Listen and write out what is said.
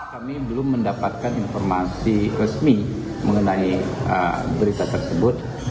kami belum mendapatkan informasi resmi mengenai berita tersebut